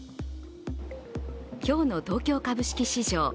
今日の東京株式市場。